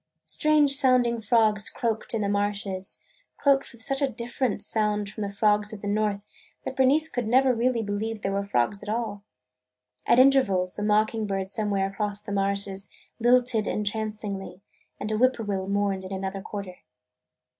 Strange sounding frogs croaked in the marshes, croaked with such a different sound from the frogs of the North, that Bernice could never really believe they were frogs at all. At intervals a mocking bird somewhere across the marshes lilted entrancingly and a whippoorwill mourned in another quarter.